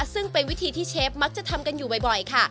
ซึ่งเป็นวิธีที่เชฟมักจะทำกันอยู่บ่อยค่ะ